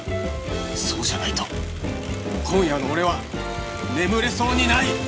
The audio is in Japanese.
そうじゃないと今夜の俺は眠れそうにない！